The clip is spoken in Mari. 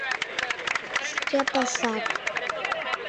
Шке пашат